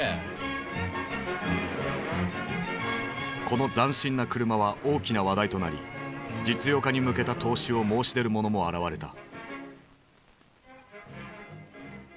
この斬新な車は大きな話題となり実用化に向けた投資を申し出る者も現れた。